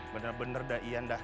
bener bener dah iya dah